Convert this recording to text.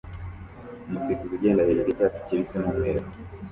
Umusifuzi ugenda hejuru yicyatsi kibisi n'umweru